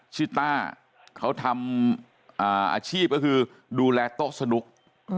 ชื่อต้าเขาทำอ่าอาชีพก็คือดูแลโต๊ะสนุกอืม